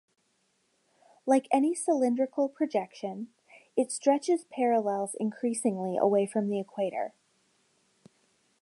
Like any cylindrical projection, it stretches parallels increasingly away from the equator.